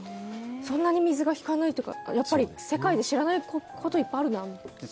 そんなに水が引かないというかやっぱり世界で知らないこといっぱいあるなって。